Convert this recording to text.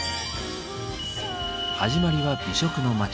始まりは美食の街